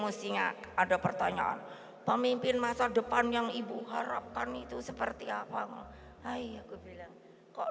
isinya ada pertanyaan pemimpin masa depan yang ibu harapkan itu seperti apa hai kok